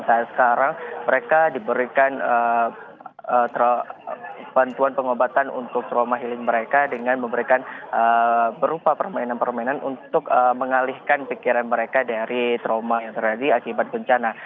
dan saat sekarang mereka diberikan bantuan pengobatan untuk trauma healing mereka dengan memberikan berupa permainan permainan untuk mengalihkan pikiran mereka dari trauma yang terjadi akibat bencana